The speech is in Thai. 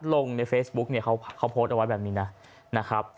ลงในเฟสบุ๊คเขาโพสต์เอาไว้แบบนี้นะ